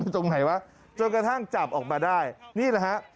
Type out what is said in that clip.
จนกระทั่งจับออกมาได้นี่แหละฮะ